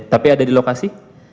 tapi ada di lokasi